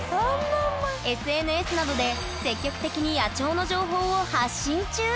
ＳＮＳなどで積極的に野鳥の情報を発信中！